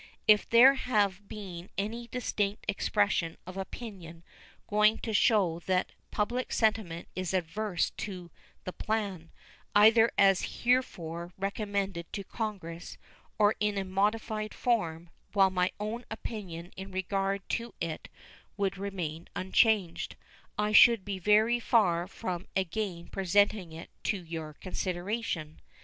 If there had been any distinct expression of opinion going to show that public sentiment is averse to the plan, either as heretofore recommended to Congress or in a modified form, while my own opinion in regard to it would remain unchanged I should be very far from again presenting it to your consideration.